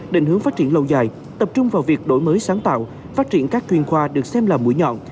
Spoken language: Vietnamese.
định hướng phát triển lâu dài tập trung vào việc đổi mới sáng tạo phát triển các chuyên khoa được xem là mũi nhọn